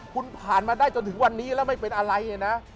คุณผ่านมาได้จนถึงวันนี้แล้วไม่เป็นอะไรนะ